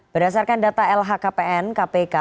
berdasarkan data lhkpn kpk